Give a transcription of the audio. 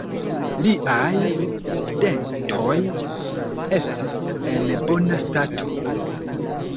Liaj dentoj estis en bona stato.